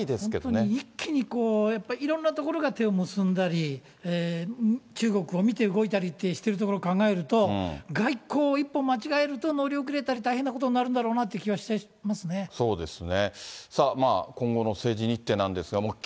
本当に一気にこう、やっぱりいろんなところが手を結んだり、中国を見て動いたりってしているところを考えると、外交一本間違えると、乗り遅れたり大変なことになるんだろうなという気はしちゃいますそうですね。